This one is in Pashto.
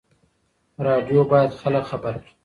راډیو باید خلک خبر کړي.